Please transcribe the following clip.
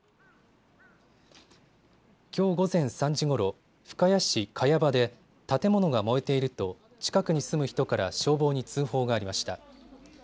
きょう午前３時ごろ深谷市萱場で建物が燃えていると近くに住む人から消防に通報がありました。